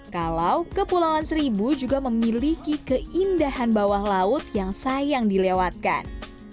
kalau kepulauan seribu juga memiliki keindahan bawah laut yang sayang dilewatkan